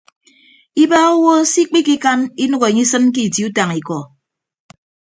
Ibaaha owo se ikpikikan inәk enye isịn ke itie utañ ikọ.